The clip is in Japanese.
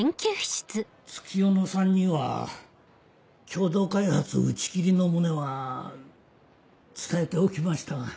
月夜野さんには共同開発打ち切りの旨は伝えておきましたが。